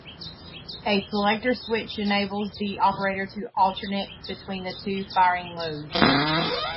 A selector switch enables the operator to alternate between the two firing modes.